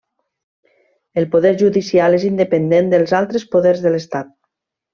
El poder judicial és independent dels altres poders de l'estat.